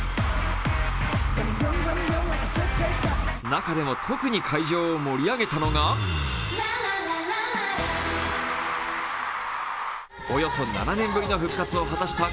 中でも特に会場を盛り上げたのがおよそ７年ぶりの復活を果たしたＫＡＲＡ。